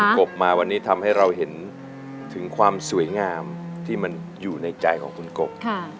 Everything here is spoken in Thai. กบมาวันนี้ทำให้เราเห็นถึงความสวยงามที่มันอยู่ในใจของคุณกบ